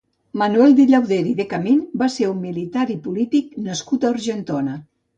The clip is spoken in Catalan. Manuel de Llauder i de Camín va ser un militar i polític nascut a Argentona.